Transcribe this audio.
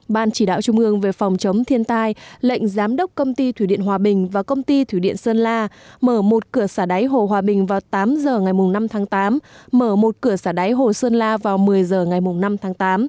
ban chỉ đạo trung ương về phòng chống thiên tai lệnh giám đốc công ty thủy điện hòa bình và công ty thủy điện sơn la mở một cửa xả đáy hồ hòa bình vào tám h ngày năm tháng tám mở một cửa xả đáy hồ sơn la vào một mươi h ngày năm tháng tám